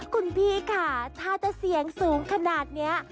คุณพี่ค่ะถ้าจะเสียงสูงขนาดนี้